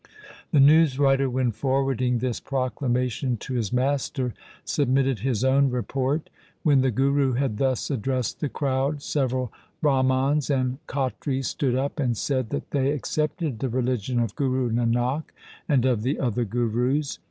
The newswriter, when forwarding this proclamation to his master, submitted his own report :' When the Guru had thus addressed the crowd, several Brah mans and Khatris stood up, and said that they accepted the religion of Guru Nanak and of the other Gurus.